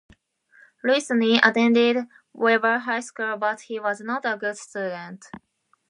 Louis Nye attended Weaver High School, but he was not a good student.